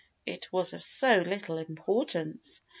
It was of so little importance!